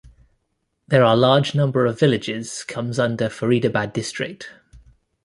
There are large number of villages comes under Faridabad district.